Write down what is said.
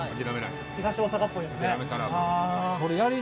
東大阪っぽいですね。